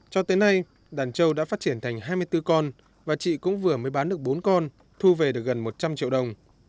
cho tới nay đàn trâu đã phát triển thành hai mươi bốn con và chị cũng vừa mới bán được bốn con thu về được gần một trăm linh triệu đồng